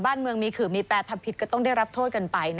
บ้านเมืองมีขื่อมีแปรทำผิดก็ต้องได้รับโทษกันไป